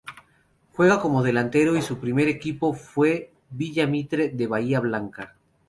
Juega como delantero y su primer equipo fue Villa Mitre de Bahía Blanca.